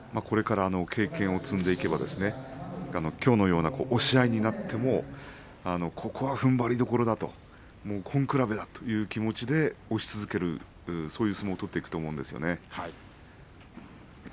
これから経験を積んでいけばきょうのような押し合いになってもここはふんばりどころだと根比べだという気持ちで押し続ける、そういう相撲を取っていくと思うんですよね。